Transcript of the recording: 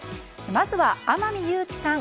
まずは天海祐希さん